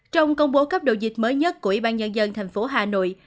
trong công bố cấp độ dịch mới nhất của ủy ban nhân dân thành phố hà nội